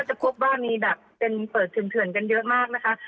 จะพบว่ามีแบบเป็นเปิดเถื่อนกันเยอะมากนะคะ